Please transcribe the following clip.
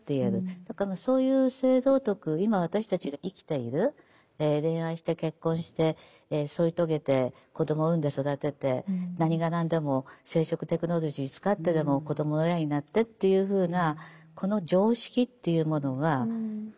だからそういう性道徳今私たちが生きている恋愛して結婚して添い遂げて子ども産んで育てて何が何でも生殖テクノロジー使ってでも子どもの親になってっていうふうなこの常識というものが結構歴史が浅い。